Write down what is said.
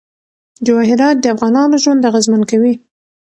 جواهرات د افغانانو ژوند اغېزمن کوي.